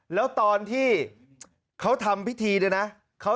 แล้วตอนที่เขาทำพิธีเนี่ยนะ